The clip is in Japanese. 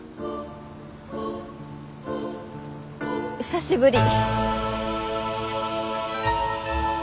久しぶり。